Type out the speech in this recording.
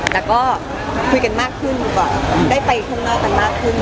ชอบเริ่มเล่นของดูอยู่แล้วไม่ได้เร่มเพลงบอกหลักอัมเลย